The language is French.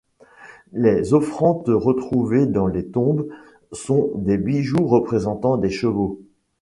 Les offrandes retrouvées dans les tombes sont des bijoux représentant des chevaux.